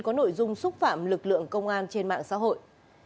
có nội dung xúc phạm lực lượng công an trên mạng xã hội